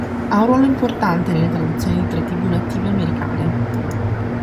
Ha un ruolo importante nelle tradizioni di tre tribù native americane.